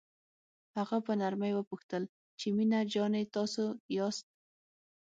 هغه په نرمۍ وپوښتل چې مينه جانې دا تاسو یاست.